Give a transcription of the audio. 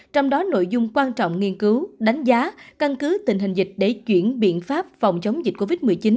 trong đó nội dung quan trọng nghiên cứu đánh giá căn cứ tình hình dịch để chuyển biện pháp phòng chống dịch covid một mươi chín